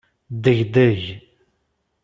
Ddegdeg.